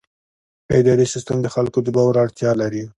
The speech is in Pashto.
اداري سیستم د خلکو د باور اړتیا لري.